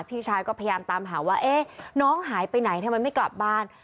พี่ชายก็พยายามตามหาว่าเอ๊ะน้องหายไปไหนทำไมไม่กลับบ้าน